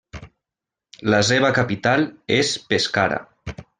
La seva capital és Pescara.